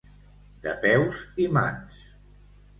De peus i mans.